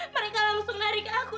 mereka langsung narik aku